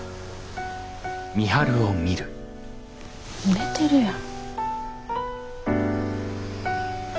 寝てるやん。